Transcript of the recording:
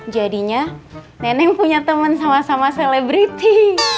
jadinya neneng punya temen sama sama selebriti